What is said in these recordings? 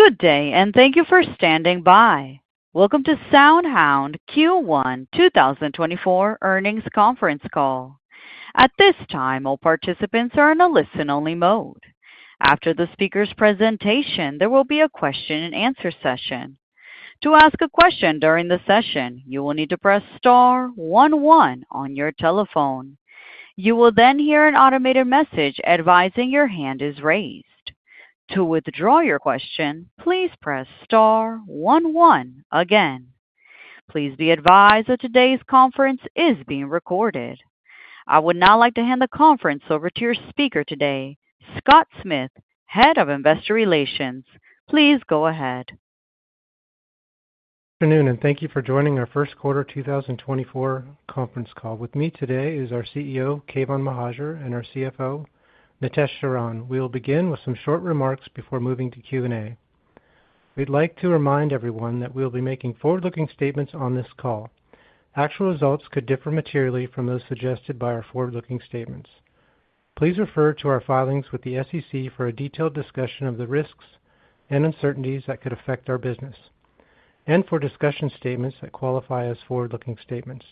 Good day, and thank you for standing by. Welcome to SoundHound Q1 2024 earnings conference call. At this time, all participants are in a listen-only mode. After the speaker's presentation, there will be a question-and-answer session. To ask a question during the session, you will need to press star one one on your telephone. You will then hear an automated message advising your hand is raised. To withdraw your question, please press star one one again. Please be advised that today's conference is being recorded. I would now like to hand the conference over to your speaker today, Scott Smith, Head of Investor Relations. Please go ahead. Good afternoon, and thank you for joining our first quarter 2024 conference call. With me today is our CEO, Keyvan Mohajer, and our CFO, Nitesh Sharan. We'll begin with some short remarks before moving to Q&A. We'd like to remind everyone that we'll be making forward-looking statements on this call. Actual results could differ materially from those suggested by our forward-looking statements. Please refer to our filings with the SEC for a detailed discussion of the risks and uncertainties that could affect our business, and for discussion statements that qualify as forward-looking statements.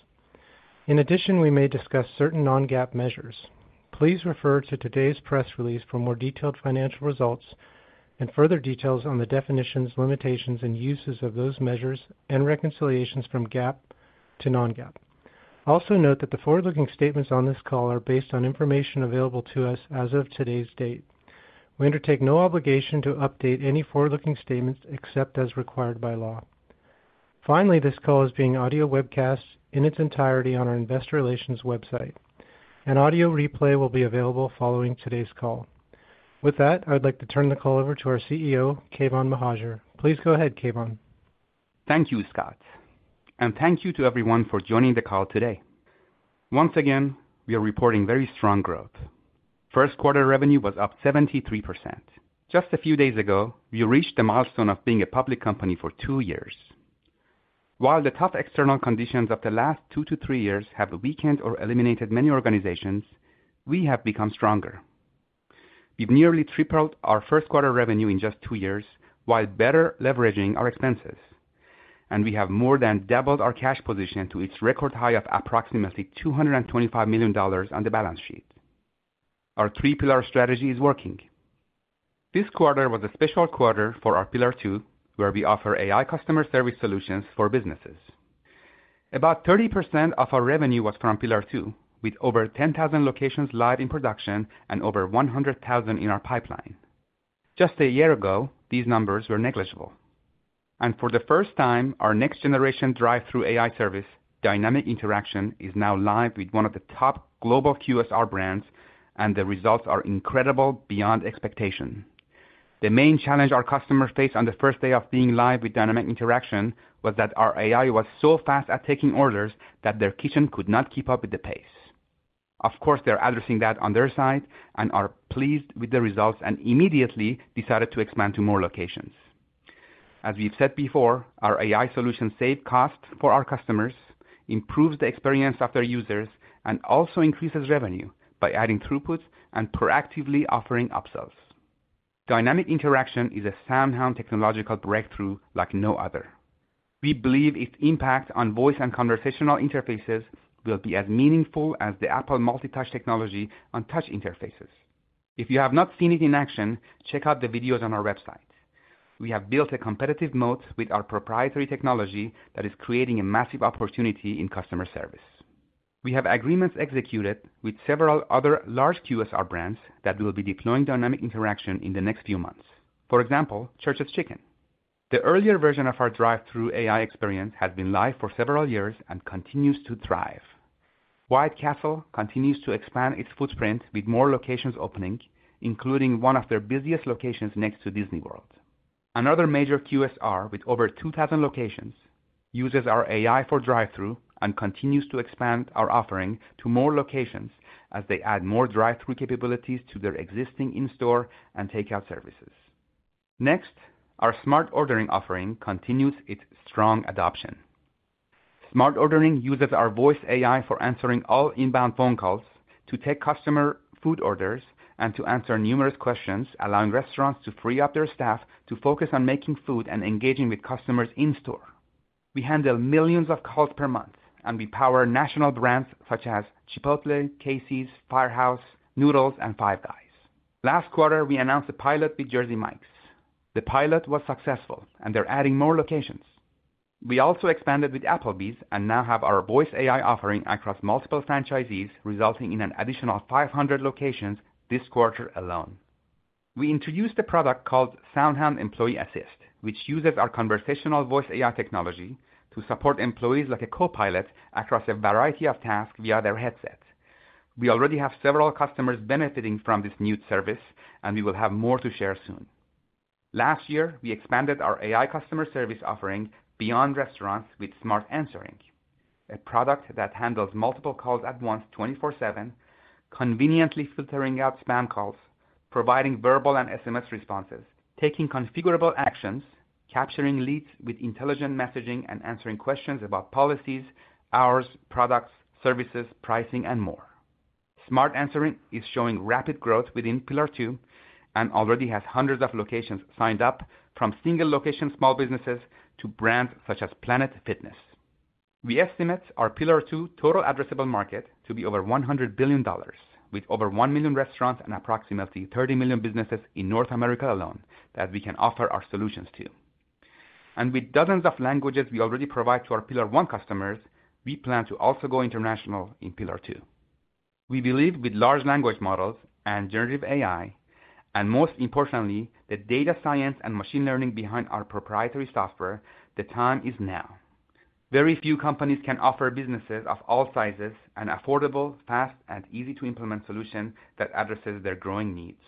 In addition, we may discuss certain non-GAAP measures. Please refer to today's press release for more detailed financial results and further details on the definitions, limitations, and uses of those measures, and reconciliations from GAAP to non-GAAP. Also note that the forward-looking statements on this call are based on information available to us as of today's date. We undertake no obligation to update any forward-looking statements except as required by law. Finally, this call is being audio-webcast in its entirety on our Investor Relations website, and audio replay will be available following today's call. With that, I would like to turn the call over to our CEO, Keyvan Mohajer. Please go ahead, Keyvan. Thank you, Scott, and thank you to everyone for joining the call today. Once again, we are reporting very strong growth. First quarter revenue was up 73%. Just a few days ago, we reached the milestone of being a public company for two years. While the tough external conditions of the last 2-3 years have weakened or eliminated many organizations, we have become stronger. We've nearly tripled our first quarter revenue in just two years while better leveraging our expenses, and we have more than doubled our cash position to its record high of approximately $225 million on the balance sheet. Our three-pillar strategy is working. This quarter was a special quarter for our Pillar Two, where we offer AI customer service solutions for businesses. About 30% of our revenue was from Pillar Two, with over 10,000 locations live in production and over 100,000 in our pipeline. Just a year ago, these numbers were negligible. For the first time, our next-generation drive-thru AI service, Dynamic Interaction, is now live with one of the top global QSR brands, and the results are incredible, beyond expectation. The main challenge our customers faced on the first day of being live with Dynamic Interaction was that our AI was so fast at taking orders that their kitchen could not keep up with the pace. Of course, they're addressing that on their side and are pleased with the results and immediately decided to expand to more locations. As we've said before, our AI solution saves costs for our customers, improves the experience of their users, and also increases revenue by adding throughput and proactively offering upsells. Dynamic Interaction is a SoundHound technological breakthrough like no other. We believe its impact on voice and conversational interfaces will be as meaningful as the Apple multi-touch technology on touch interfaces. If you have not seen it in action, check out the videos on our website. We have built a competitive moat with our proprietary technology that is creating a massive opportunity in customer service. We have agreements executed with several other large QSR brands that will be deploying Dynamic Interaction in the next few months. For example, Church's Chicken. The earlier version of our drive-thru AI experience has been live for several years and continues to thrive. White Castle continues to expand its footprint with more locations opening, including one of their busiest locations next to Disney World. Another major QSR with over 2,000 locations uses our AI for drive-thru and continues to expand our offering to more locations as they add more drive-thru capabilities to their existing in-store and takeout services. Next, our Smart Ordering offering continues its strong adoption. Smart Ordering uses our voice AI for answering all inbound phone calls, to take customer food orders, and to answer numerous questions, allowing restaurants to free up their staff to focus on making food and engaging with customers in-store. We handle millions of calls per month, and we power national brands such as Chipotle, Casey's, Firehouse, Noodles, and Five Guys. Last quarter, we announced a pilot with Jersey Mike's. The pilot was successful, and they're adding more locations. We also expanded with Applebee's and now have our voice AI offering across multiple franchisees, resulting in an additional 500 locations this quarter alone. We introduced a product called SoundHound Employee Assist, which uses our conversational voice AI technology to support employees like a co-pilot across a variety of tasks via their headset. We already have several customers benefiting from this new service, and we will have more to share soon. Last year, we expanded our AI customer service offering beyond restaurants with Smart Answering, a product that handles multiple calls at once 24/7, conveniently filtering out spam calls, providing verbal and SMS responses, taking configurable actions, capturing leads with intelligent messaging, and answering questions about policies, hours, products, services, pricing, and more. Smart Answering is showing rapid growth within Pillar Two and already has hundreds of locations signed up, from single-location small businesses to brands such as Planet Fitness. We estimate our Pillar Two total addressable market to be over $100 billion, with over one million restaurants and approximately 30 million businesses in North America alone that we can offer our solutions to. With dozens of languages we already provide to our Pillar One customers, we plan to also go international in Pillar Two. We believe with large language models and generative AI, and most importantly, the data science and machine learning behind our proprietary software, the time is now. Very few companies can offer businesses of all sizes an affordable, fast, and easy-to-implement solution that addresses their growing needs.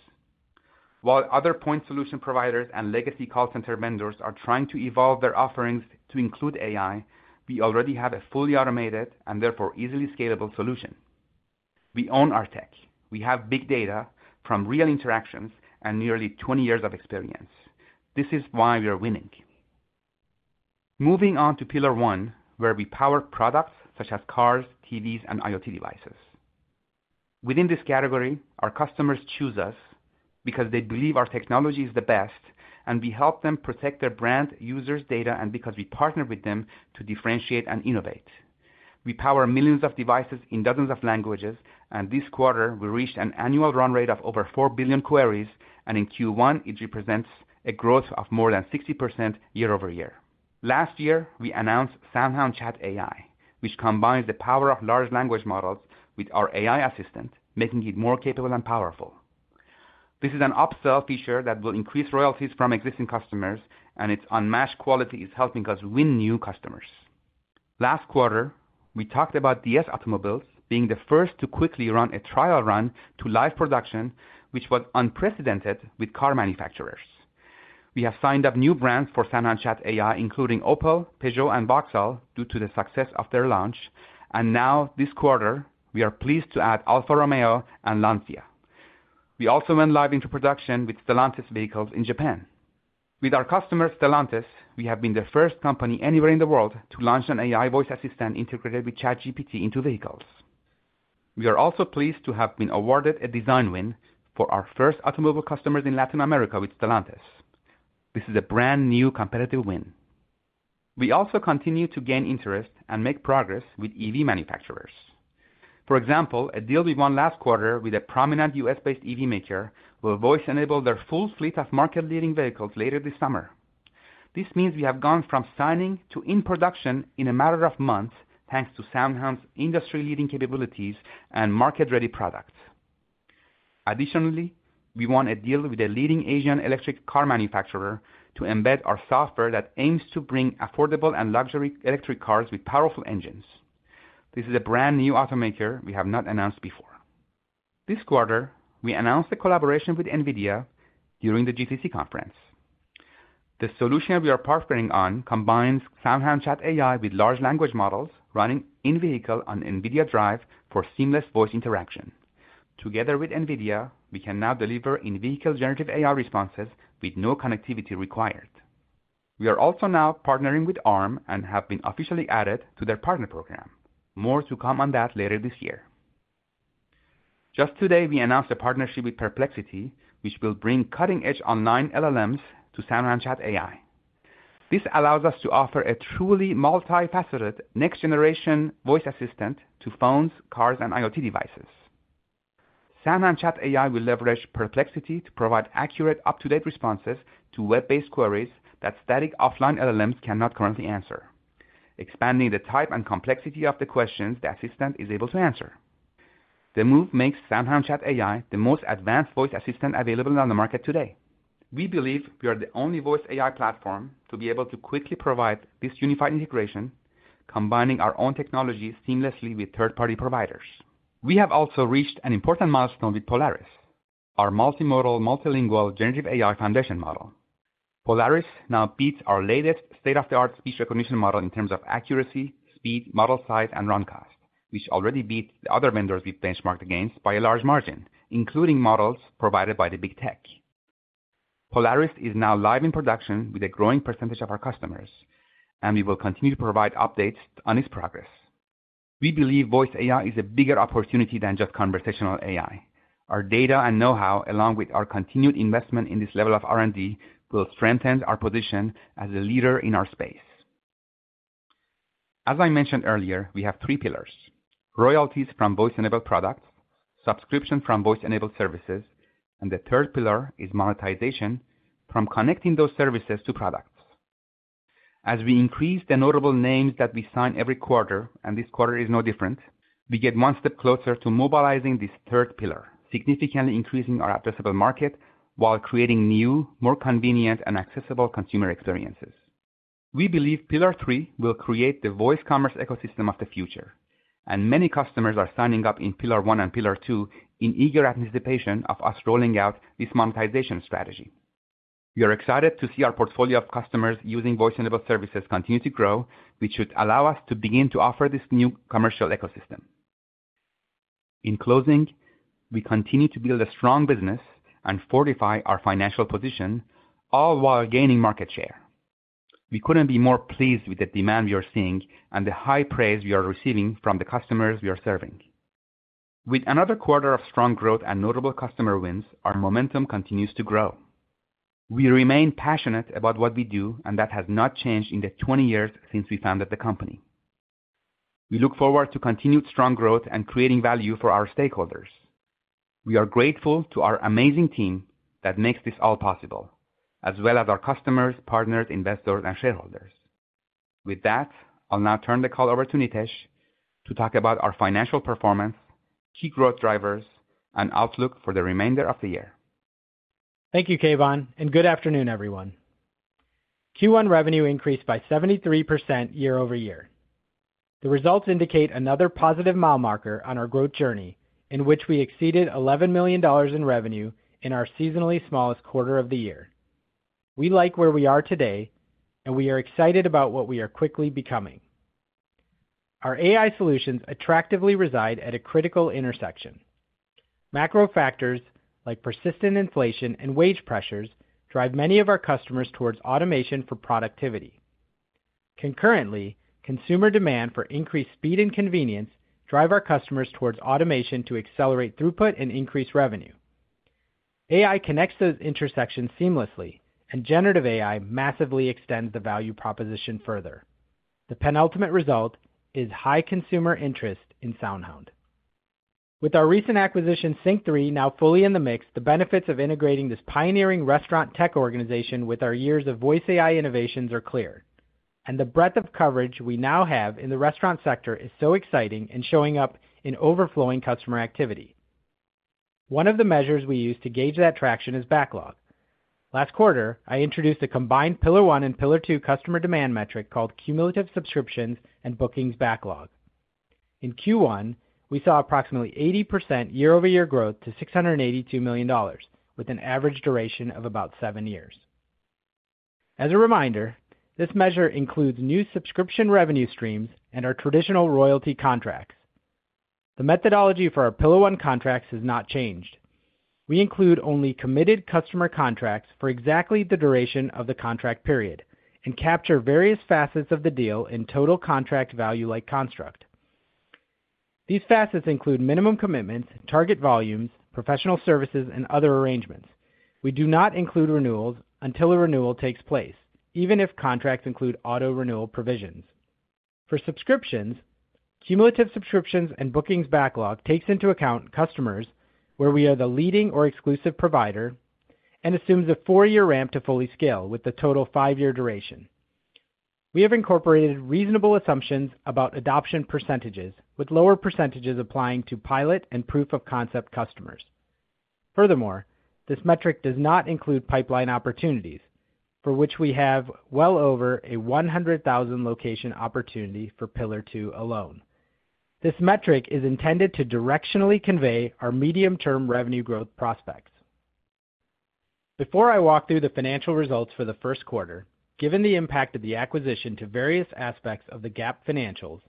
While other point solution providers and legacy call center vendors are trying to evolve their offerings to include AI, we already have a fully automated and therefore easily scalable solution. We own our tech. We have big data from real interactions and nearly 20 years of experience. This is why we are winning. Moving on to Pillar One, where we power products such as cars, TVs, and IoT devices. Within this category, our customers choose us because they believe our technology is the best, and we help them protect their brand, users, data, and because we partner with them to differentiate and innovate. We power millions of devices in dozens of languages, and this quarter, we reached an annual run rate of over 4 billion queries, and in Q1, it represents a growth of more than 60% year-over-year. Last year, we announced SoundHound Chat AI, which combines the power of large language models with our AI assistant, making it more capable and powerful. This is an upsell feature that will increase royalties from existing customers, and its unmatched quality is helping us win new customers. Last quarter, we talked about DS Automobiles being the first to quickly run a trial run to live production, which was unprecedented with car manufacturers. We have signed up new brands for SoundHound Chat AI, including Opel, Peugeot, and Vauxhall, due to the success of their launch. Now, this quarter, we are pleased to add Alfa Romeo and Lancia. We also went live into production with Stellantis vehicles in Japan. With our customer, Stellantis, we have been the first company anywhere in the world to launch an AI voice assistant integrated with ChatGPT into vehicles. We are also pleased to have been awarded a design win for our first automobile customers in Latin America with Stellantis. This is a brand new competitive win. We also continue to gain interest and make progress with EV manufacturers. For example, a deal we won last quarter with a prominent U.S.-based EV maker will voice-enable their full fleet of market-leading vehicles later this summer. This means we have gone from signing to in production in a matter of months, thanks to SoundHound's industry-leading capabilities and market-ready products. Additionally, we won a deal with a leading Asian electric car manufacturer to embed our software that aims to bring affordable and luxury electric cars with powerful engines. This is a brand new automaker we have not announced before. This quarter, we announced a collaboration with NVIDIA during the GTC conference. The solution we are partnering on combines SoundHound Chat AI with large language models running in-vehicle on NVIDIA Drive for seamless voice interaction. Together with NVIDIA, we can now deliver in-vehicle generative AI responses with no connectivity required. We are also now partnering with Arm and have been officially added to their partner program. More to come on that later this year. Just today, we announced a partnership with Perplexity, which will bring cutting-edge online LLMs to SoundHound Chat AI. This allows us to offer a truly multifaceted next-generation voice assistant to phones, cars, and IoT devices. SoundHound Chat AI will leverage Perplexity to provide accurate, up-to-date responses to web-based queries that static offline LLMs cannot currently answer, expanding the type and complexity of the questions the assistant is able to answer. The move makes SoundHound Chat AI the most advanced voice assistant available on the market today. We believe we are the only voice AI platform to be able to quickly provide this unified integration, combining our own technology seamlessly with third-party providers. We have also reached an important milestone with Polaris, our multimodal, multilingual generative AI foundation model. Polaris now beats our latest state-of-the-art speech recognition model in terms of accuracy, speed, model size, and run cost, which already beat the other vendors we've benchmarked against by a large margin, including models provided by the big tech. Polaris is now live in production with a growing percentage of our customers, and we will continue to provide updates on its progress. We believe voice AI is a bigger opportunity than just conversational AI. Our data and know-how, along with our continued investment in this level of R&D, will strengthen our position as a leader in our space. As I mentioned earlier, we have three pillars: royalties from voice-enabled products, subscriptions from voice-enabled services, and the third pillar is monetization from connecting those services to products. As we increase the notable names that we sign every quarter, and this quarter is no different, we get one step closer to mobilizing this third pillar, significantly increasing our addressable market while creating new, more convenient, and accessible consumer experiences. We believe Pillar Three will create the voice commerce ecosystem of the future, and many customers are signing up in Pillar One and Pillar Two in eager anticipation of us rolling out this monetization strategy. We are excited to see our portfolio of customers using voice-enabled services continue to grow, which should allow us to begin to offer this new commercial ecosystem. In closing, we continue to build a strong business and fortify our financial position, all while gaining market share. We couldn't be more pleased with the demand we are seeing and the high praise we are receiving from the customers we are serving. With another quarter of strong growth and notable customer wins, our momentum continues to grow. We remain passionate about what we do, and that has not changed in the 20 years since we founded the company. We look forward to continued strong growth and creating value for our stakeholders. We are grateful to our amazing team that makes this all possible, as well as our customers, partners, investors, and shareholders. With that, I'll now turn the call over to Nitesh to talk about our financial performance, key growth drivers, and outlook for the remainder of the year. Thank you, Keyvan, and good afternoon, everyone. Q1 revenue increased by 73% year-over-year. The results indicate another positive mile marker on our growth journey, in which we exceeded $11 million in revenue in our seasonally smallest quarter of the year. We like where we are today, and we are excited about what we are quickly becoming. Our AI solutions attractively reside at a critical intersection. Macro factors like persistent inflation and wage pressures drive many of our customers towards automation for productivity. Concurrently, consumer demand for increased speed and convenience drive our customers towards automation to accelerate throughput and increase revenue. AI connects those intersections seamlessly, and generative AI massively extends the value proposition further. The penultimate result is high consumer interest in SoundHound. With our recent acquisition, SYNQ3, now fully in the mix, the benefits of integrating this pioneering restaurant tech organization with our years of voice AI innovations are clear, and the breadth of coverage we now have in the restaurant sector is so exciting and showing up in overflowing customer activity. One of the measures we use to gauge that traction is backlog. Last quarter, I introduced a combined Pillar One and Pillar Two customer demand metric called cumulative subscriptions and bookings backlog. In Q1, we saw approximately 80% year-over-year growth to $682 million, with an average duration of about seven years. As a reminder, this measure includes new subscription revenue streams and our traditional royalty contracts. The methodology for our Pillar One contracts has not changed. We include only committed customer contracts for exactly the duration of the contract period and capture various facets of the deal in total contract value-like construct. These facets include minimum commitments, target volumes, professional services, and other arrangements. We do not include renewals until a renewal takes place, even if contracts include auto-renewal provisions. For subscriptions, cumulative subscriptions and bookings backlog takes into account customers, where we are the leading or exclusive provider, and assumes a four-year ramp to fully scale with a total five-year duration. We have incorporated reasonable assumptions about adoption percentages, with lower percentages applying to pilot and proof-of-concept customers. Furthermore, this metric does not include pipeline opportunities, for which we have well over a 100,000-location opportunity for Pillar Two alone. This metric is intended to directionally convey our medium-term revenue growth prospects. Before I walk through the financial results for the first quarter, given the impact of the acquisition to various aspects of the GAAP financials,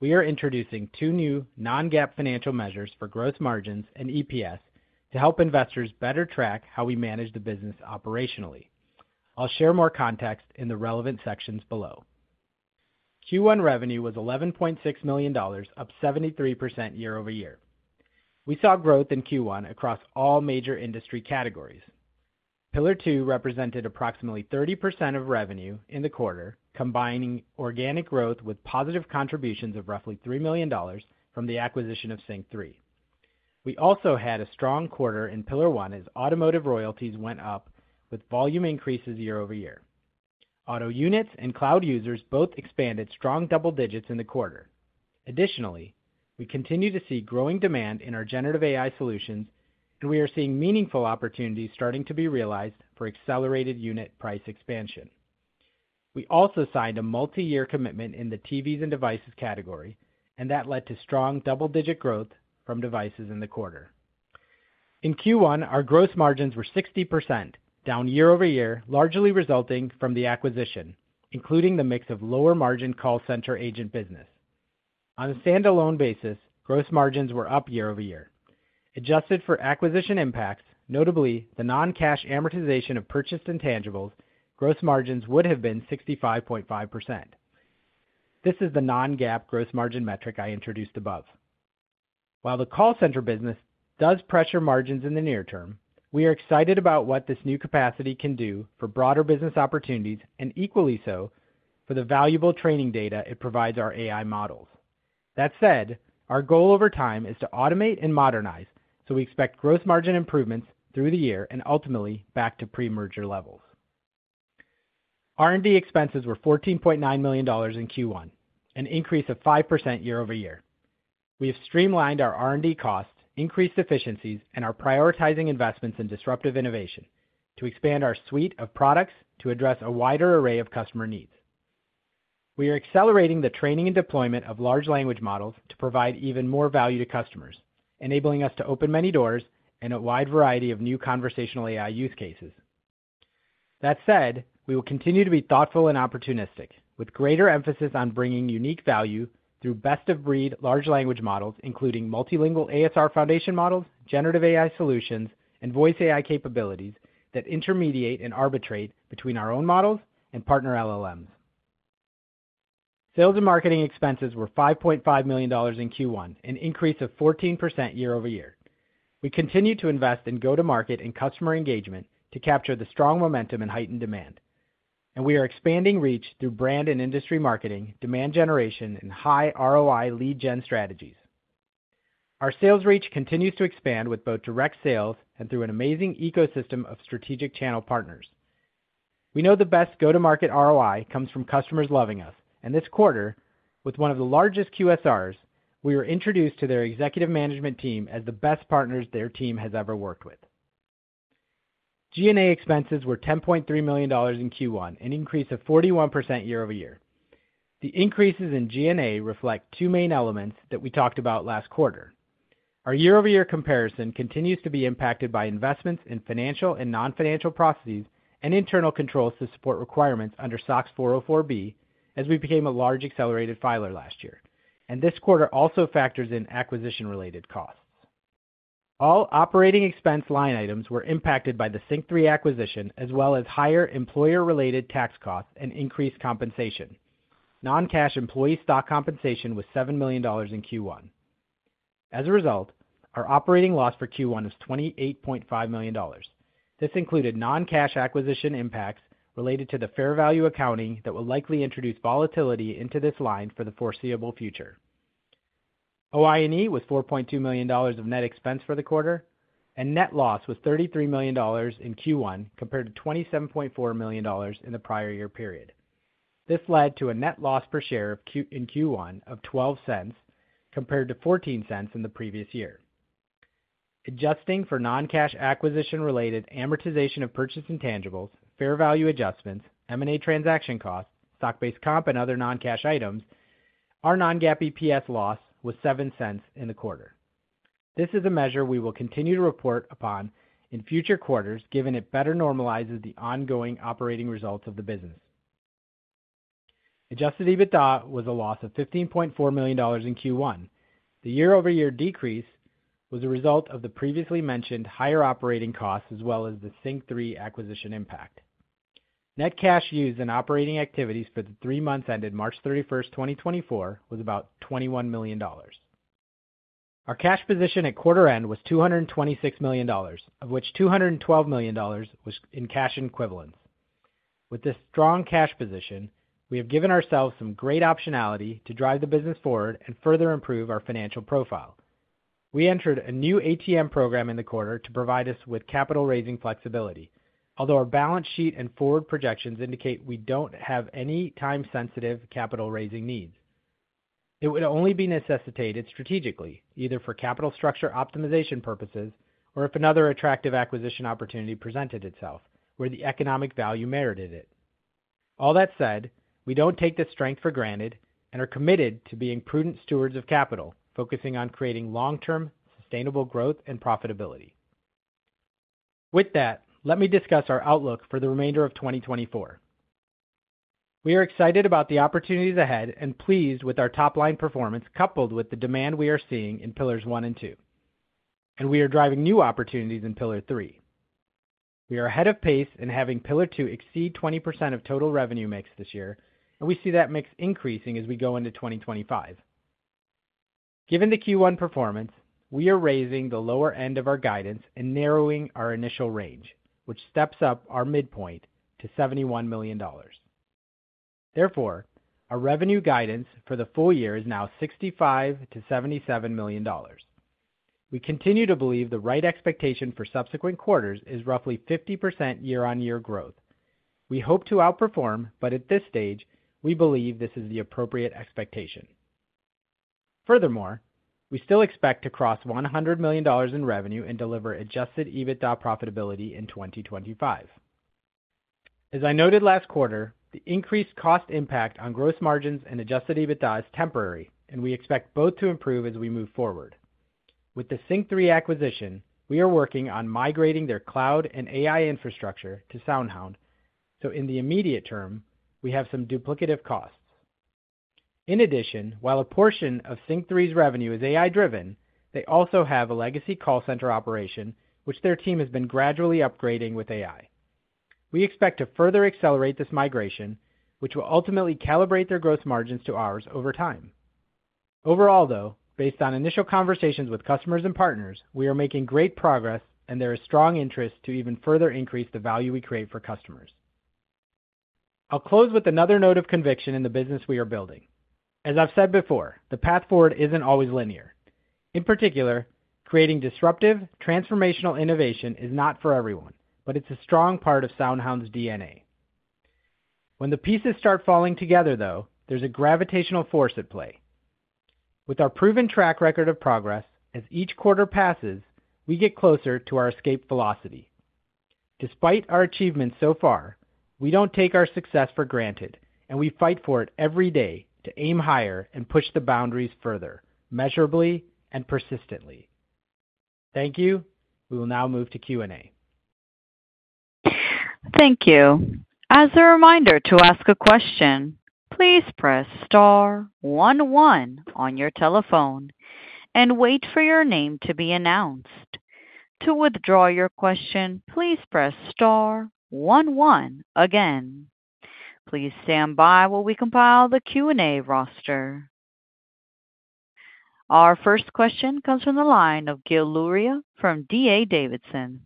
we are introducing two new non-GAAP financial measures for growth margins and EPS to help investors better track how we manage the business operationally. I'll share more context in the relevant sections below. Q1 revenue was $11.6 million, up 73% year-over-year. We saw growth in Q1 across all major industry categories. Pillar Two represented approximately 30% of revenue in the quarter, combining organic growth with positive contributions of roughly $3 million from the acquisition of SYNQ3. We also had a strong quarter in Pillar One as automotive royalties went up, with volume increases year-over-year. Auto units and cloud users both expanded strong double digits in the quarter. Additionally, we continue to see growing demand in our generative AI solutions, and we are seeing meaningful opportunities starting to be realized for accelerated unit price expansion. We also signed a multi-year commitment in the TVs and devices category, and that led to strong double-digit growth from devices in the quarter. In Q1, our gross margins were 60%, down year-over-year, largely resulting from the acquisition, including the mix of lower-margin call center agent business. On a standalone basis, gross margins were up year-over-year. Adjusted for acquisition impacts, notably the non-cash amortization of purchased intangibles, gross margins would have been 65.5%. This is the non-GAAP gross margin metric I introduced above. While the call center business does pressure margins in the near term, we are excited about what this new capacity can do for broader business opportunities and equally so for the valuable training data it provides our AI models. That said, our goal over time is to automate and modernize, so we expect gross margin improvements through the year and ultimately back to pre-merger levels. R&D expenses were $14.9 million in Q1, an increase of 5% year-over-year. We have streamlined our R&D costs, increased efficiencies, and are prioritizing investments in disruptive innovation to expand our suite of products to address a wider array of customer needs. We are accelerating the training and deployment of large language models to provide even more value to customers, enabling us to open many doors and a wide variety of new conversational AI use cases. That said, we will continue to be thoughtful and opportunistic, with greater emphasis on bringing unique value through best-of-breed large language models, including multilingual ASR foundation models, generative AI solutions, and voice AI capabilities that intermediate and arbitrate between our own models and partner LLMs. Sales and marketing expenses were $5.5 million in Q1, an increase of 14% year-over-year. We continue to invest in go-to-market and customer engagement to capture the strong momentum and heightened demand, and we are expanding reach through brand and industry marketing, demand generation, and high ROI lead-gen strategies. Our sales reach continues to expand with both direct sales and through an amazing ecosystem of strategic channel partners. We know the best go-to-market ROI comes from customers loving us, and this quarter, with one of the largest QSRs, we were introduced to their executive management team as the best partners their team has ever worked with. G&A expenses were $10.3 million in Q1, an increase of 41% year-over-year. The increases in G&A reflect two main elements that we talked about last quarter. Our year-over-year comparison continues to be impacted by investments in financial and non-financial processes and internal controls to support requirements under SOX 404B as we became a large accelerated filer last year, and this quarter also factors in acquisition-related costs. All operating expense line items were impacted by the SYNQ3 acquisition, as well as higher employer-related tax costs and increased compensation. Non-cash employee stock compensation was $7 million in Q1. As a result, our operating loss for Q1 was $28.5 million. This included non-cash acquisition impacts related to the fair value accounting that will likely introduce volatility into this line for the foreseeable future. OI&E was $4.2 million of net expense for the quarter, and net loss was $33 million in Q1 compared to $27.4 million in the prior year period. This led to a net loss per share in Q1 of $0.12 compared to $0.14 in the previous year. Adjusting for non-cash acquisition-related amortization of purchased intangibles, fair value adjustments, M&A transaction costs, stock-based comp, and other non-cash items, our non-GAAP EPS loss was $0.07 in the quarter. This is a measure we will continue to report upon in future quarters given it better normalizes the ongoing operating results of the business. Adjusted EBITDA was a loss of $15.4 million in Q1. The year-over-year decrease was a result of the previously mentioned higher operating costs as well as the SYNQ3 acquisition impact. Net cash used in operating activities for the three months ended March 31st, 2024, was about $21 million. Our cash position at quarter end was $226 million, of which $212 million was in cash equivalents. With this strong cash position, we have given ourselves some great optionality to drive the business forward and further improve our financial profile. We entered a new ATM program in the quarter to provide us with capital-raising flexibility, although our balance sheet and forward projections indicate we don't have any time-sensitive capital-raising needs. It would only be necessitated strategically, either for capital structure optimization purposes or if another attractive acquisition opportunity presented itself where the economic value merited it. All that said, we don't take this strength for granted and are committed to being prudent stewards of capital, focusing on creating long-term, sustainable growth and profitability. With that, let me discuss our outlook for the remainder of 2024. We are excited about the opportunities ahead and pleased with our top-line performance coupled with the demand we are seeing in Pillars One and Two, and we are driving new opportunities in Pillar Three. We are ahead of pace in having Pillar Two exceed 20% of total revenue mix this year, and we see that mix increasing as we go into 2025. Given the Q1 performance, we are raising the lower end of our guidance and narrowing our initial range, which steps up our midpoint to $71 million. Therefore, our revenue guidance for the full year is now $65 million-$77 million. We continue to believe the right expectation for subsequent quarters is roughly 50% year-on-year growth. We hope to outperform, but at this stage, we believe this is the appropriate expectation. Furthermore, we still expect to cross $100 million in revenue and deliver adjusted EBITDA profitability in 2025. As I noted last quarter, the increased cost impact on gross margins and adjusted EBITDA is temporary, and we expect both to improve as we move forward. With the SYNQ3 acquisition, we are working on migrating their cloud and AI infrastructure to SoundHound, so in the immediate term, we have some duplicative costs. In addition, while a portion of SYNQ3's revenue is AI-driven, they also have a legacy call center operation, which their team has been gradually upgrading with AI. We expect to further accelerate this migration, which will ultimately calibrate their gross margins to ours over time. Overall, though, based on initial conversations with customers and partners, we are making great progress, and there is strong interest to even further increase the value we create for customers. I'll close with another note of conviction in the business we are building. As I've said before, the path forward isn't always linear. In particular, creating disruptive, transformational innovation is not for everyone, but it's a strong part of SoundHound's DNA. When the pieces start falling together, though, there's a gravitational force at play. With our proven track record of progress, as each quarter passes, we get closer to our escape velocity. Despite our achievements so far, we don't take our success for granted, and we fight for it every day to aim higher and push the boundaries further, measurably and persistently. Thank you. We will now move to Q&A. Thank you. As a reminder to ask a question, please press star one one on your telephone and wait for your name to be announced. To withdraw your question, please press star one one again. Please stand by while we compile the Q&A roster. Our first question comes from the line of Gil Luria from DA Davidson.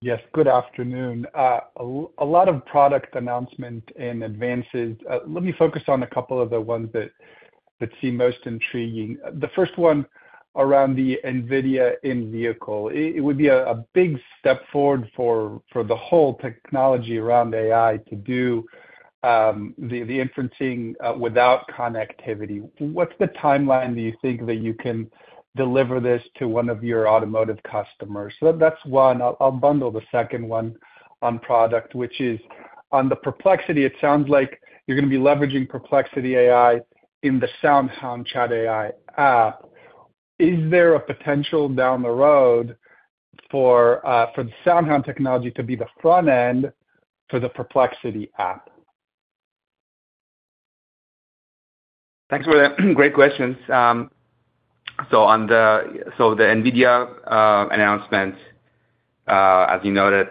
Yes. Good afternoon. A lot of product announcement and advances. Let me focus on a couple of the ones that seem most intriguing. The first one around the NVIDIA in-vehicle. It would be a big step forward for the whole technology around AI to do the inferencing without connectivity. What's the timeline do you think that you can deliver this to one of your automotive customers? So that's one. I'll bundle the second one on product, which is on the Perplexity. It sounds like you're going to be leveraging Perplexity AI in the SoundHound Chat AI app. Is there a potential down the road for the SoundHound technology to be the front end for the Perplexity app? Thanks for that. Great questions. So the NVIDIA announcement, as you noted,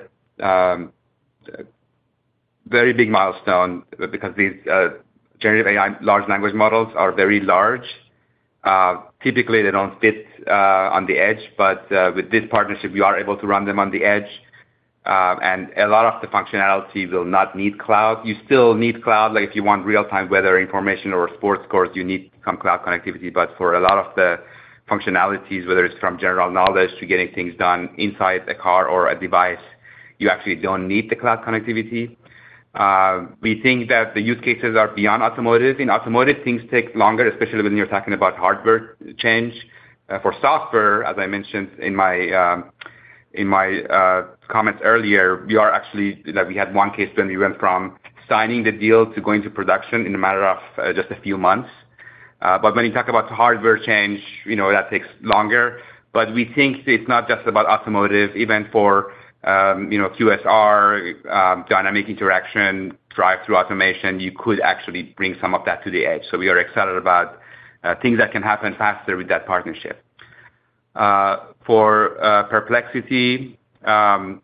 very big milestone because these generative AI large language models are very large. Typically, they don't fit on the edge, but with this partnership, you are able to run them on the edge, and a lot of the functionality will not need cloud. You still need cloud. If you want real-time weather information or sports scores, you need some cloud connectivity. But for a lot of the functionalities, whether it's from general knowledge to getting things done inside a car or a device, you actually don't need the cloud connectivity. We think that the use cases are beyond automotive. In automotive, things take longer, especially when you're talking about hardware change. For software, as I mentioned in my comments earlier, we actually had one case when we went from signing the deal to going to production in a matter of just a few months. But when you talk about hardware change, that takes longer. But we think it's not just about automotive. Even for QSR, Dynamic Interaction, drive-through automation, you could actually bring some of that to the edge. So we are excited about things that can happen faster with that partnership. For Perplexity, it's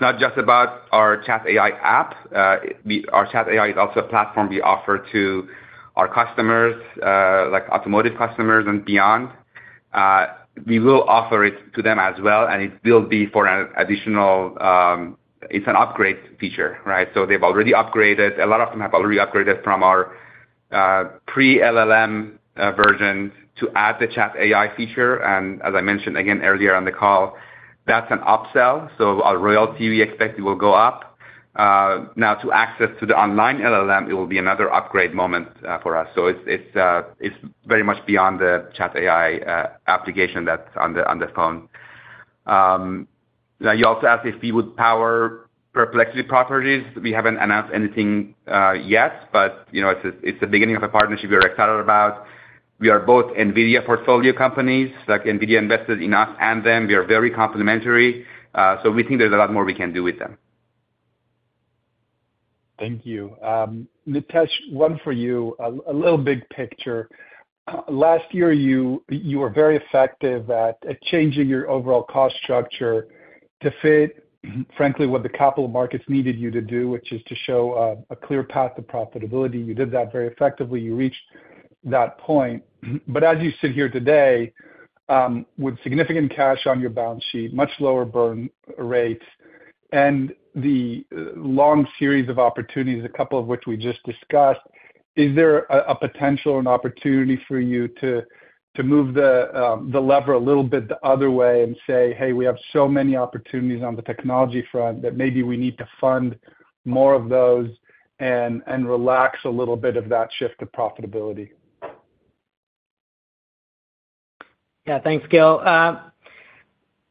not just about our Chat AI app. Our Chat AI is also a platform we offer to our customers, like automotive customers and beyond. We will offer it to them as well, and it will be for an additional. It's an upgrade feature, right? So they've already upgraded. A lot of them have already upgraded from our pre-LLM versions to add the Chat AI feature. As I mentioned again earlier on the call, that's an upsell, so our royalty we expect it will go up. Now, to access to the online LLM, it will be another upgrade moment for us. So it's very much beyond the Chat AI application that's on the phone. Now, you also asked if we would power Perplexity properties. We haven't announced anything yet, but it's the beginning of a partnership we are excited about. We are both NVIDIA portfolio companies. NVIDIA invested in us and them. We are very complementary, so we think there's a lot more we can do with them. Thank you. Nitesh, one for you, a little big picture. Last year, you were very effective at changing your overall cost structure to fit, frankly, what the capital markets needed you to do, which is to show a clear path to profitability. You did that very effectively. You reached that point. But as you sit here today, with significant cash on your balance sheet, much lower burn rates, and the long series of opportunities, a couple of which we just discussed, is there a potential and opportunity for you to move the lever a little bit the other way and say, "Hey, we have so many opportunities on the technology front that maybe we need to fund more of those and relax a little bit of that shift to profitability"? Yeah. Thanks, Gil.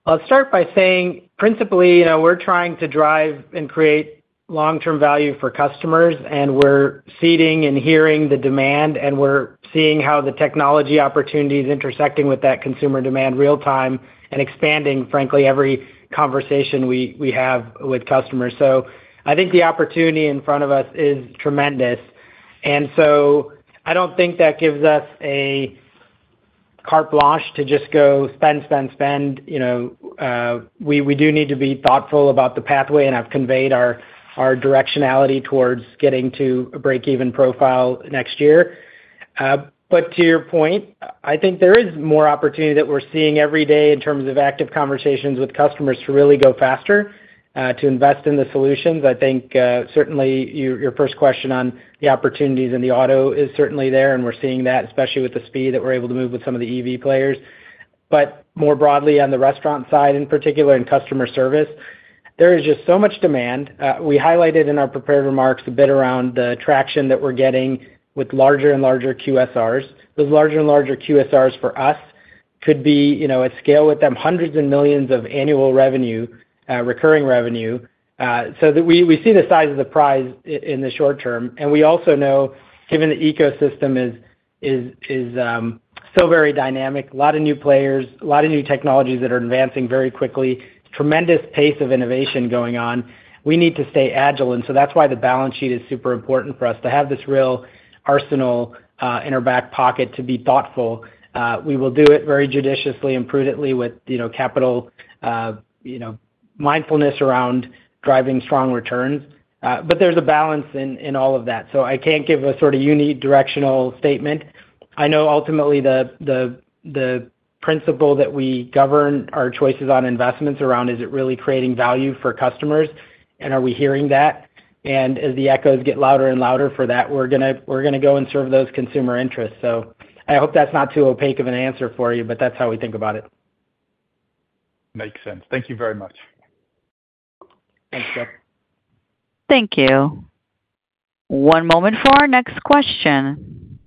I'll start by saying, principally, we're trying to drive and create long-term value for customers, and we're seeing and hearing the demand, and we're seeing how the technology opportunities intersecting with that consumer demand real-time and expanding, frankly, every conversation we have with customers. So I think the opportunity in front of us is tremendous. And so I don't think that gives us a carte blanche to just go spend, spend, spend. We do need to be thoughtful about the pathway, and I've conveyed our directionality towards getting to a break-even profile next year. But to your point, I think there is more opportunity that we're seeing every day in terms of active conversations with customers to really go faster, to invest in the solutions. I think certainly your first question on the opportunities in the auto is certainly there, and we're seeing that, especially with the speed that we're able to move with some of the EV players. But more broadly, on the restaurant side in particular and customer service, there is just so much demand. We highlighted in our prepared remarks a bit around the traction that we're getting with larger and larger QSRs. Those larger and larger QSRs for us could be at scale with them, hundreds of millions of annual revenue, recurring revenue. So we see the size of the prize in the short term. And we also know, given the ecosystem is still very dynamic, a lot of new players, a lot of new technologies that are advancing very quickly, tremendous pace of innovation going on, we need to stay agile. And so that's why the balance sheet is super important for us, to have this real arsenal in our back pocket to be thoughtful. We will do it very judiciously and prudently with capital mindfulness around driving strong returns. But there's a balance in all of that. So I can't give a sort of unique directional statement. I know ultimately the principle that we govern our choices on investments around is it really creating value for customers, and are we hearing that? And as the echoes get louder and louder for that, we're going to go and serve those consumer interests. So I hope that's not too opaque of an answer for you, but that's how we think about it. Makes sense. Thank you very much. Thanks, Gil. Thank you. One moment for our next question.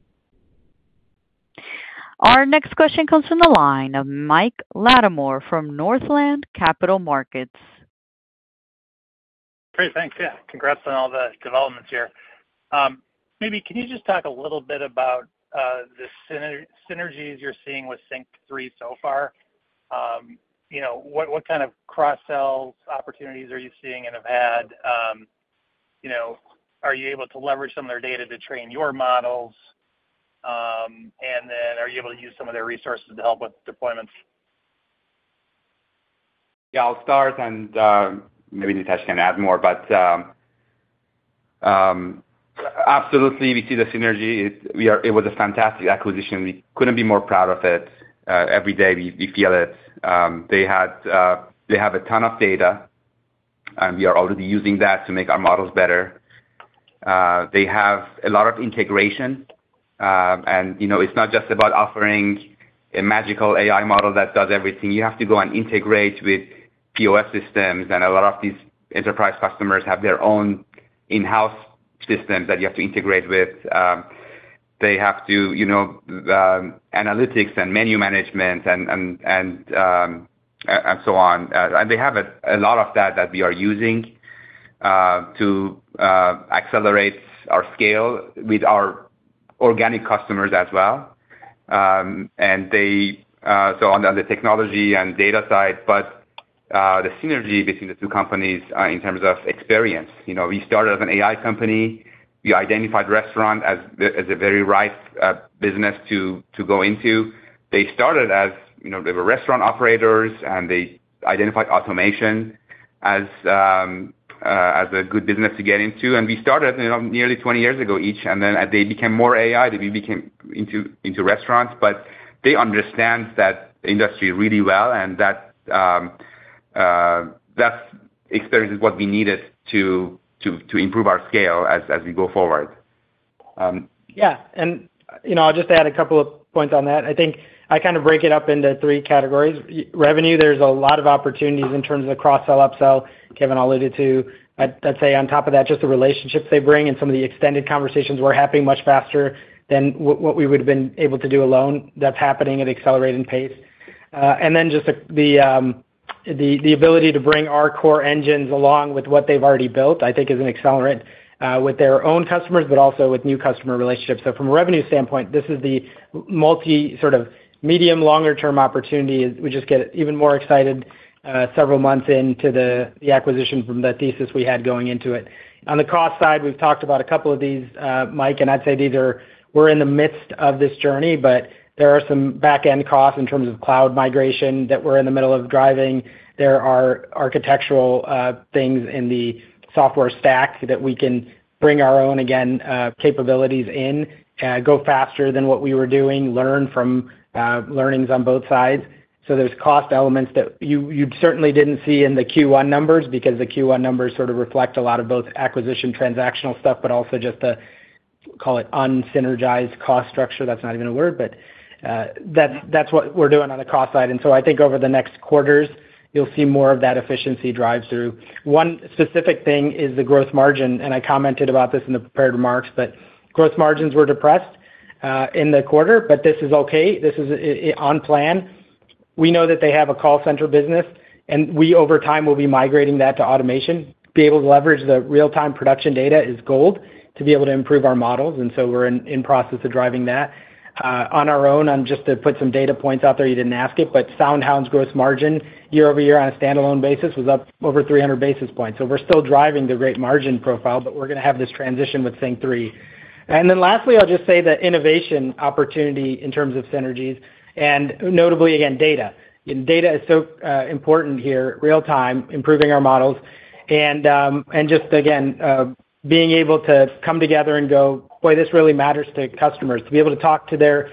Our next question comes from the line of Mike Latimore from Northland Capital Markets. Great. Thanks. Yeah. Congrats on all the developments here. Maybe can you just talk a little bit about the synergies you're seeing with SYNQ3 so far? What kind of cross-sell opportunities are you seeing and have had? Are you able to leverage some of their data to train your models, and then are you able to use some of their resources to help with deployments? Yeah. I'll start, and maybe Nitesh can add more. But absolutely, we see the synergy. It was a fantastic acquisition. We couldn't be more proud of it. Every day, we feel it. They have a ton of data, and we are already using that to make our models better. They have a lot of integration, and it's not just about offering a magical AI model that does everything. You have to go and integrate with POS systems, and a lot of these enterprise customers have their own in-house systems that you have to integrate with. They have to analytics and menu management and so on. And they have a lot of that that we are using to accelerate our scale with our organic customers as well. And so on the technology and data side, but the synergy between the two companies in terms of experience. We started as an AI company. We identified restaurant as a very ripe business to go into. They started as they were restaurant operators, and they identified automation as a good business to get into. And we started nearly 20 years ago each, and then as they became more AI, they became into restaurants. But they understand that industry really well, and that experience is what we needed to improve our scale as we go forward. Yeah. I'll just add a couple of points on that. I think I kind of break it up into three categories. Revenue, there's a lot of opportunities in terms of the cross-sell, upsell Keyvan alluded to. I'd say on top of that, just the relationships they bring and some of the extended conversations we're having much faster than what we would have been able to do alone. That's happening at accelerated pace. Then just the ability to bring our core engines along with what they've already built, I think, is an accelerant with their own customers but also with new customer relationships. From a revenue standpoint, this is the multi sort of medium, longer-term opportunity. We just get even more excited several months into the acquisition from the thesis we had going into it. On the cost side, we've talked about a couple of these, Mike, and I'd say these are, we're in the midst of this journey, but there are some back-end costs in terms of cloud migration that we're in the middle of driving. There are architectural things in the software stack that we can bring our own, again, capabilities in, go faster than what we were doing, learn from learnings on both sides. So there's cost elements that you certainly didn't see in the Q1 numbers because the Q1 numbers sort of reflect a lot of both acquisition transactional stuff but also just the, call it, unsynergized cost structure. That's not even a word, but that's what we're doing on the cost side. And so I think over the next quarters, you'll see more of that efficiency drive through. One specific thing is the gross margin, and I commented about this in the prepared remarks, but gross margins were depressed in the quarter, but this is okay. This is on plan. We know that they have a call center business, and we over time will be migrating that to automation. Being able to leverage the real-time production data is gold to be able to improve our models, and so we're in process of driving that. On our own, just to put some data points out there, you didn't ask it, but SoundHound's gross margin year-over-year on a standalone basis was up over 300 basis points. So we're still driving the gross margin profile, but we're going to have this transition with SYNQ3. And then lastly, I'll just say the innovation opportunity in terms of synergies and notably, again, data. Data is so important here, real-time, improving our models. And just again, being able to come together and go, "Boy, this really matters to customers," to be able to talk to their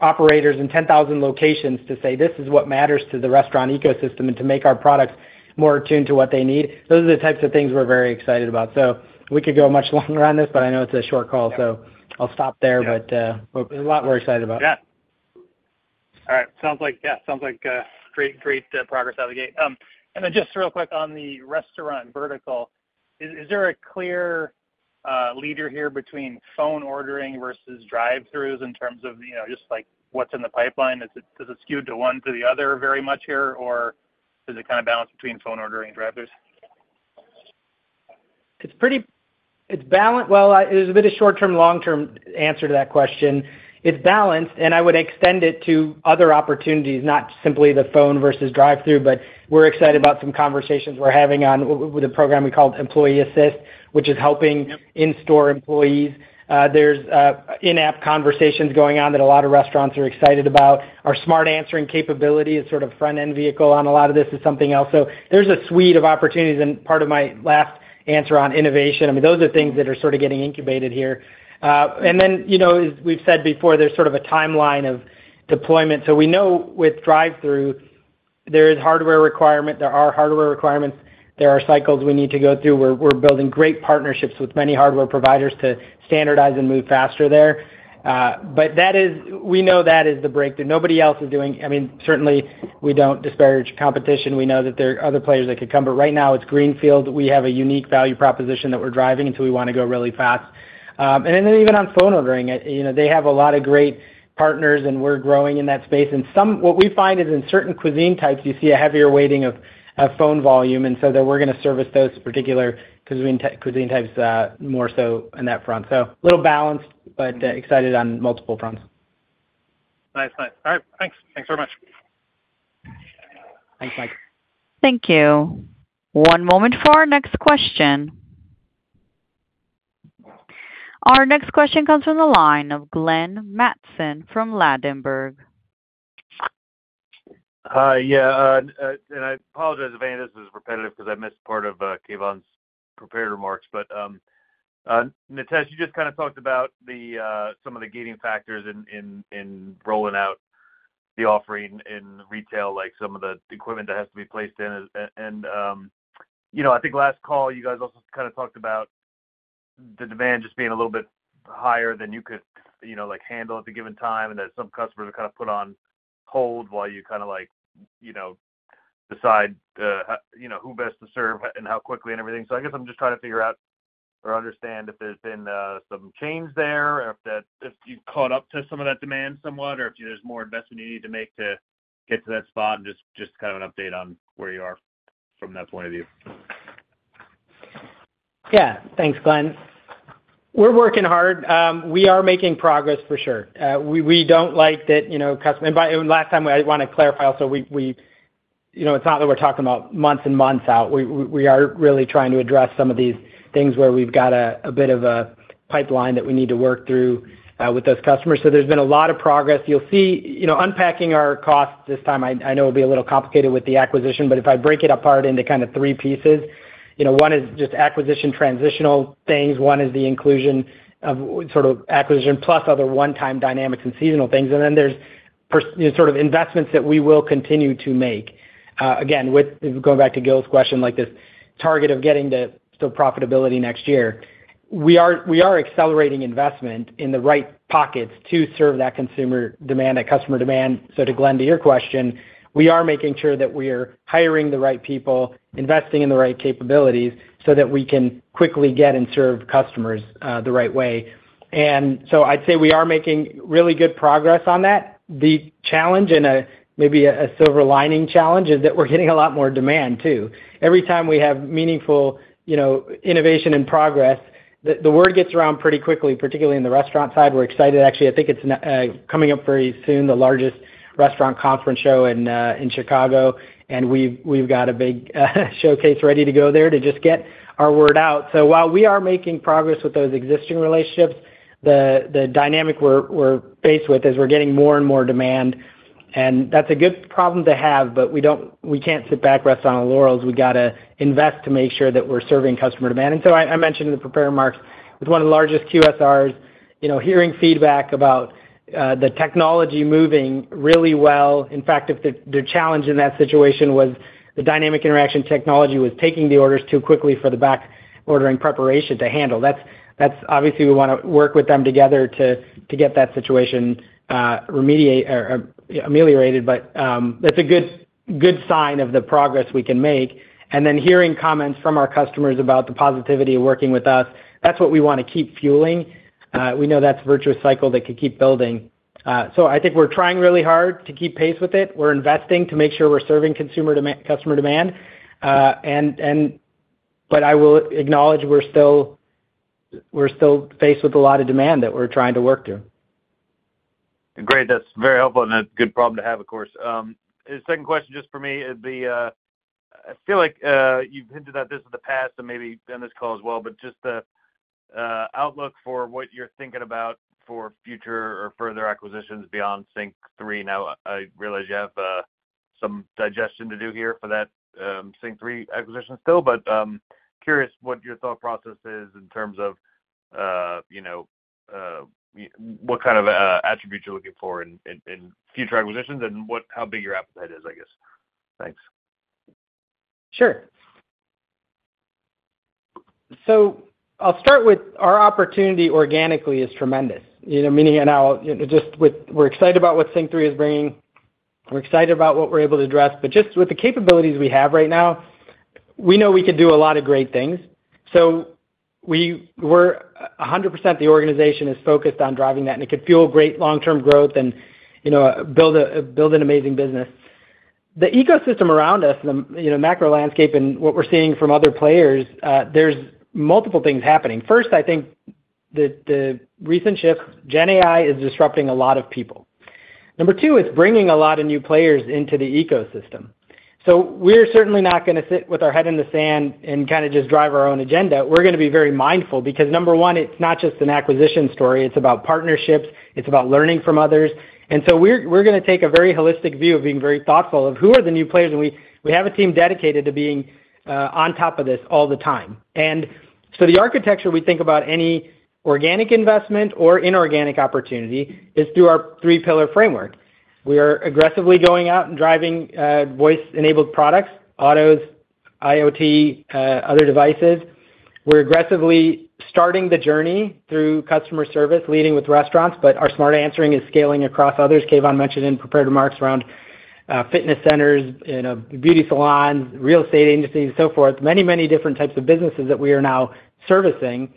operators in 10,000 locations to say, "This is what matters to the restaurant ecosystem," and to make our products more attuned to what they need, those are the types of things we're very excited about. So we could go much longer on this, but I know it's a short call, so I'll stop there. But a lot we're excited about. Yeah. All right. Yeah. Sounds like great progress out of the gate. And then just real quick on the restaurant vertical, is there a clear leader here between phone ordering versus drive-thrus in terms of just what's in the pipeline? Is it skewed to one to the other very much here, or is it kind of balanced between phone ordering and drive-thrus? It's balanced. Well, there's a bit of short-term, long-term answer to that question. It's balanced, and I would extend it to other opportunities, not simply the phone versus drive-thru, but we're excited about some conversations we're having with a program we call Employee Assist, which is helping in-store employees. There's in-app conversations going on that a lot of restaurants are excited about. Our Smart Answering capability is sort of front-end vehicle on a lot of this. It's something else. So there's a suite of opportunities. And part of my last answer on innovation, I mean, those are things that are sort of getting incubated here. And then as we've said before, there's sort of a timeline of deployment. So we know with drive-thru, there is hardware requirement. There are hardware requirements. There are cycles we need to go through. We're building great partnerships with many hardware providers to standardize and move faster there. But we know that is the breakthrough. Nobody else is doing, I mean, certainly, we don't disparage competition. We know that there are other players that could come, but right now, it's greenfield. We have a unique value proposition that we're driving, and so we want to go really fast. And then even on phone ordering, they have a lot of great partners, and we're growing in that space. And what we find is in certain cuisine types, you see a heavier weighting of phone volume, and so we're going to service those particular cuisine types more so in that front. So a little balanced but excited on multiple fronts. Nice. Nice. All right. Thanks. Thanks very much. Thanks, Mike. Thank you. One moment for our next question. Our next question comes from the line of Glenn Mattson from Ladenburg. Yeah. And I apologize, Evan, this was repetitive because I missed part of Keyvan's prepared remarks. But Nitesh, you just kind of talked about some of the gating factors in rolling out the offering in retail, like some of the equipment that has to be placed in. And I think last call, you guys also kind of talked about the demand just being a little bit higher than you could handle at the given time and that some customers are kind of put on hold while you kind of decide who best to serve and how quickly and everything. So I guess I'm just trying to figure out or understand if there's been some change there or if you caught up to some of that demand somewhat or if there's more investment you need to make to get to that spot and just kind of an update on where you are from that point of view. Yeah. Thanks, Glenn. We're working hard. We are making progress for sure. We don't like that customer and last time, I want to clarify also, it's not that we're talking about months and months out. We are really trying to address some of these things where we've got a bit of a pipeline that we need to work through with those customers. So there's been a lot of progress. You'll see unpacking our costs this time, I know it'll be a little complicated with the acquisition, but if I break it apart into kind of three pieces, one is just acquisition transitional things, one is the inclusion of sort of acquisition plus other one-time dynamics and seasonal things, and then there's sort of investments that we will continue to make. Again, going back to Gil's question, like this target of getting to still profitability next year, we are accelerating investment in the right pockets to serve that consumer demand, that customer demand. So to Glenn, to your question, we are making sure that we are hiring the right people, investing in the right capabilities so that we can quickly get and serve customers the right way. And so I'd say we are making really good progress on that. The challenge and maybe a silver lining challenge is that we're getting a lot more demand too. Every time we have meaningful innovation and progress, the word gets around pretty quickly, particularly in the restaurant side. We're excited, actually. I think it's coming up very soon, the largest restaurant conference show in Chicago, and we've got a big showcase ready to go there to just get our word out. So while we are making progress with those existing relationships, the dynamic we're faced with is we're getting more and more demand. And that's a good problem to have, but we can't sit back, rest on our laurels. We got to invest to make sure that we're serving customer demand. And so I mentioned in the prepared remarks, with one of the largest QSRs, hearing feedback about the technology moving really well. In fact, if the challenge in that situation was the Dynamic Interaction technology was taking the orders too quickly for the back-ordering preparation to handle, that's obviously we want to work with them together to get that situation ameliorated, but that's a good sign of the progress we can make. And then hearing comments from our customers about the positivity of working with us, that's what we want to keep fueling. We know that's a virtuous cycle that could keep building. So I think we're trying really hard to keep pace with it. We're investing to make sure we're serving customer demand. But I will acknowledge we're still faced with a lot of demand that we're trying to work through. Great. That's very helpful and a good problem to have, of course. Second question just for me, it'd be I feel like you've hinted at this in the past and maybe on this call as well, but just the outlook for what you're thinking about for future or further acquisitions beyond SYNQ3. Now, I realize you have some digestion to do here for that SYNQ3 acquisition still, but curious what your thought process is in terms of what kind of attributes you're looking for in future acquisitions and how big your appetite is, I guess. Thanks. Sure. So I'll start with our opportunity organically is tremendous, meaning now just with we're excited about what SYNQ3 is bringing. We're excited about what we're able to address. But just with the capabilities we have right now, we know we could do a lot of great things. So we're 100%, the organization is focused on driving that, and it could fuel great long-term growth and build an amazing business. The ecosystem around us, the macro landscape, and what we're seeing from other players, there's multiple things happening. First, I think the recent shift, GenAI is disrupting a lot of people. Number two, it's bringing a lot of new players into the ecosystem. So we're certainly not going to sit with our head in the sand and kind of just drive our own agenda. We're going to be very mindful because, number one, it's not just an acquisition story. It's about partnerships. It's about learning from others. And so we're going to take a very holistic view of being very thoughtful of who are the new players. And we have a team dedicated to being on top of this all the time. And so the architecture we think about any organic investment or inorganic opportunity is through our three-pillar framework. We are aggressively going out and driving voice-enabled products, autos, IoT, other devices. We're aggressively starting the journey through customer service, leading with restaurants, but our Smart Answering is scaling across others. Keyvan mentioned in prepared remarks around fitness centers, beauty salons, real estate agencies, and so forth, many, many different types of businesses that we are now servicing.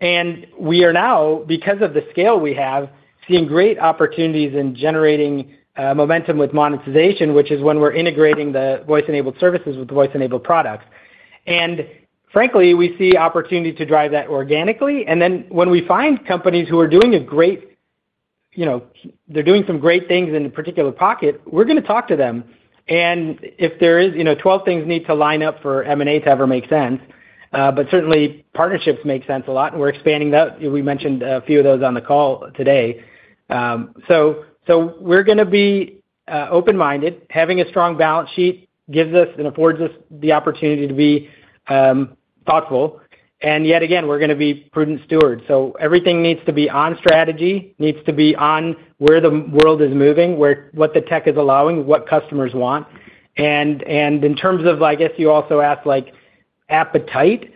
And we are now, because of the scale we have, seeing great opportunities in generating momentum with monetization, which is when we're integrating the voice-enabled services with the voice-enabled products. And frankly, we see opportunity to drive that organically. And then when we find companies who are doing some great things in a particular pocket, we're going to talk to them. And if there is 12 things need to line up for M&A to ever make sense, but certainly, partnerships make sense a lot, and we're expanding that. We mentioned a few of those on the call today. So we're going to be open-minded. Having a strong balance sheet gives us and affords us the opportunity to be thoughtful. And yet again, we're going to be prudent stewards. So everything needs to be on strategy, needs to be on where the world is moving, what the tech is allowing, what customers want. In terms of, I guess you also asked, appetite,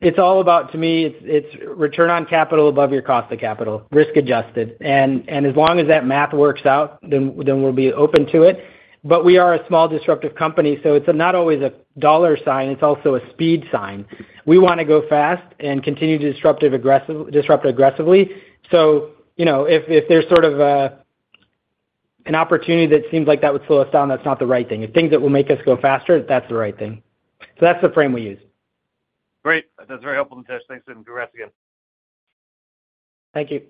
it's all about to me, it's return on capital above your cost of capital, risk-adjusted. And as long as that math works out, then we'll be open to it. But we are a small disruptive company, so it's not always a dollar sign. It's also a speed sign. We want to go fast and continue to disrupt aggressively. So if there's sort of an opportunity that seems like that would slow us down, that's not the right thing. If things that will make us go faster, that's the right thing. So that's the frame we use. Great. That's very helpful, Nitesh. Thanks and congrats again. Thank you.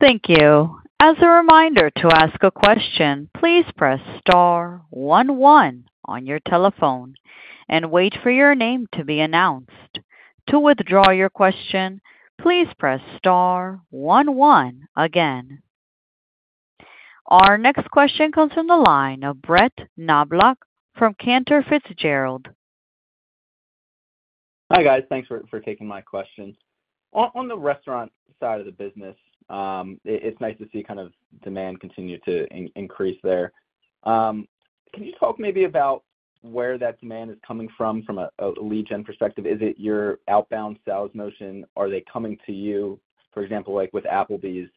Thank you. As a reminder to ask a question, please press star one one on your telephone and wait for your name to be announced. To withdraw your question, please press star one one again. Our next question comes from the line of Brett Knoblauch from Cantor Fitzgerald. Hi, guys. Thanks for taking my question. On the restaurant side of the business, it's nice to see kind of demand continue to increase there. Can you talk maybe about where that demand is coming from from a lead-gen perspective? Is it your outbound sales motion? Are they coming to you? For example, with Applebee's,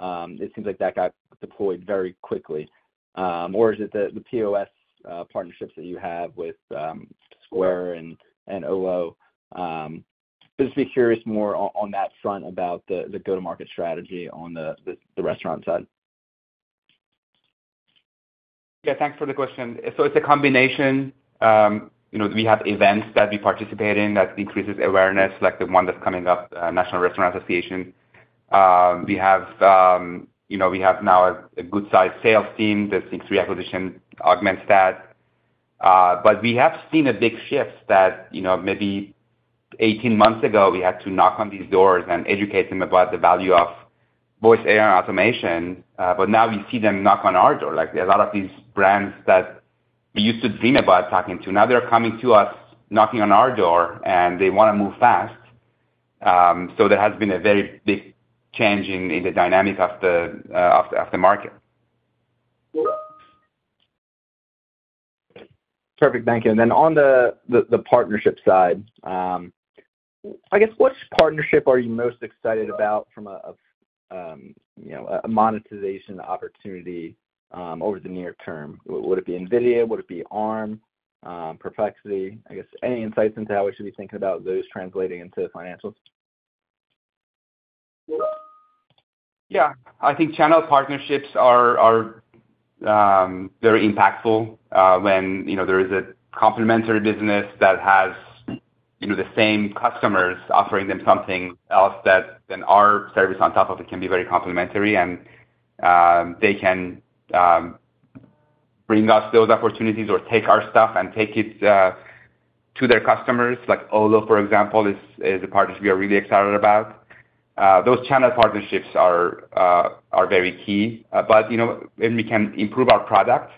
it seems like that got deployed very quickly. Or is it the POS partnerships that you have with Square and Olo? Just be curious more on that front about the go-to-market strategy on the restaurant side. Yeah. Thanks for the question. So it's a combination. We have events that we participate in that increases awareness, like the one that's coming up, National Restaurant Association. We have now a good-sized sales team. The SYNQ3 acquisition augments that. But we have seen a big shift that maybe 18 months ago, we had to knock on these doors and educate them about the value of voice AI and automation. But now, we see them knock on our door. There are a lot of these brands that we used to dream about talking to. Now, they're coming to us knocking on our door, and they want to move fast. So there has been a very big change in the dynamic of the market. Perfect. Thank you. And then on the partnership side, I guess, which partnership are you most excited about from a monetization opportunity over the near term? Would it be NVIDIA? Would it be Arm, Perplexity? I guess, any insights into how we should be thinking about those translating into financials? Yeah. I think channel partnerships are very impactful when there is a complementary business that has the same customers offering them something else that then our service on top of it can be very complementary, and they can bring us those opportunities or take our stuff and take it to their customers. Olo, for example, is a partnership we are really excited about. Those channel partnerships are very key. But if we can improve our product,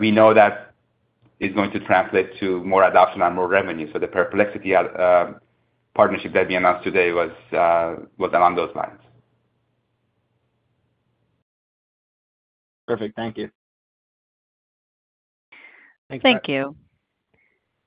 we know that is going to translate to more adoption and more revenue. So the Perplexity partnership that we announced today was along those lines. Perfect. Thank you. Thanks. Thank you.